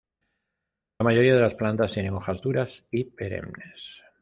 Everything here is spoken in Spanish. La mayoría de las plantas tienen hojas duras y perennes.